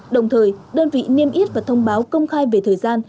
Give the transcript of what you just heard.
đồng thời đơn vị niêm yết và thông báo công khai về thời gian